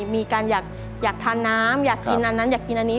มีการอยากทานน้ำอยากกินอันนั้นอยากกินอันนี้